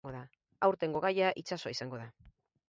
Aurtengo gaia itsasoa izango da.